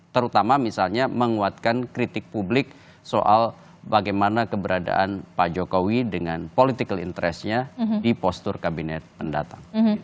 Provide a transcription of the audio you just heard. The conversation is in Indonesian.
terutama misalnya menguatkan kritik publik soal bagaimana keberadaan pak jokowi dengan political interestnya di postur kabinet pendatang